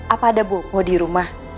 apa ada bopo di rumah